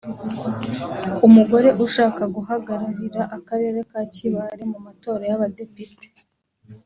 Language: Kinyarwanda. umugore ushaka guhagararira akarere ka Kibaale mu matora y’abadepite